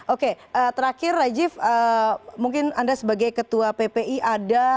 oke terakhir rajif mungkin anda sebagai ketua ppi ada